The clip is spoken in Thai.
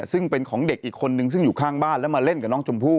ซึ่งเป็นของเด็กอีกคนนึงซึ่งอยู่ข้างบ้านแล้วมาเล่นกับน้องชมพู่